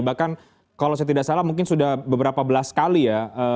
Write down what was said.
bahkan kalau saya tidak salah mungkin sudah beberapa belas kali ya